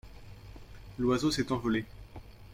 l'oiseau s'est envolé.